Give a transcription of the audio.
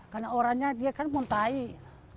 karena orangnya dia kan pun taik